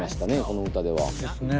この歌では。